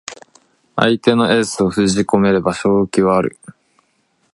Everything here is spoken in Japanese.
相手のエースを封じ込めれば勝機はある